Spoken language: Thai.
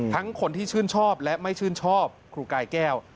คนที่ชื่นชอบและไม่ชื่นชอบครูกายแก้ว